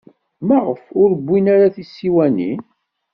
Maɣef ur wwin ara tisiwanin?